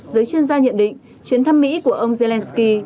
giới chuyên gia nhận định chuyến thăm mỹ của ông zelensky